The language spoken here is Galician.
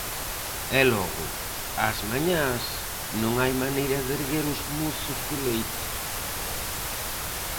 E logo, ás mañás, non hai maneira de erguer ós mozos do leito...